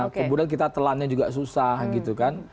kemudian kita telannya juga susah gitu kan